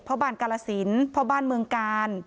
บาลกาลสินพ่อบ้านเมืองกาล